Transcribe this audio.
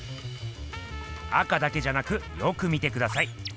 赤だけじゃなくよく見てください。